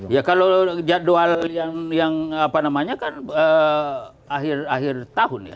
ya kalau jadwal yang apa namanya kan akhir akhir tahun ya